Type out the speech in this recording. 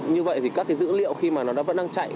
như vậy các dữ liệu khi nó vẫn đang chạy